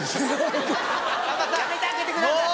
やめてあげてください！